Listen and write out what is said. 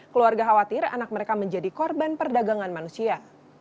keluarga khawatir anak mereka menjadi korban perdagangan manusia